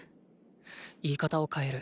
言い方を変える。